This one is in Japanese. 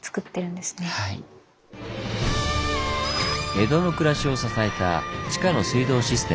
江戸の暮らしを支えた地下の水道システム。